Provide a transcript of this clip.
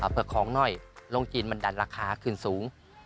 เผื่อของหน่อยโรงจีนมันดันราคาขึ้นสูง